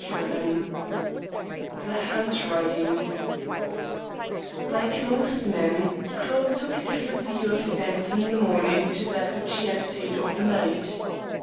CHAPTER XXIV THE HANDWRITING Like most men, Claude took a different view of events in the morning to that which he entertained over night.